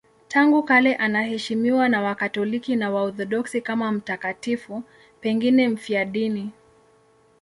Tangu kale anaheshimiwa na Wakatoliki na Waorthodoksi kama mtakatifu, pengine mfiadini.